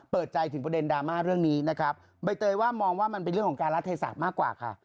เปิดใจถึงประเด็นดราม่าเรื่องนี้นะครับใบเตยว่ามองว่ามันเป็นเรื่องของการรัฐเทศาสตร์มากกว่าค่ะ